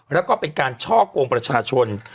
แล้วก็เป็นการช่อกงประชาชน